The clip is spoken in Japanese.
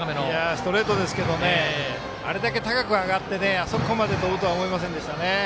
ストレートですけどあれだけ高く上がってあそこまで飛ぶとは思いませんでしたね。